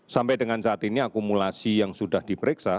sampai dengan saat ini akumulasi yang sudah diperiksa